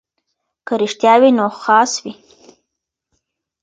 که رښتیا وي نو خاص وي.